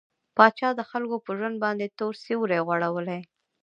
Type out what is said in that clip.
پاچا د خلکو په ژوند باندې تور سيورى غوړولى.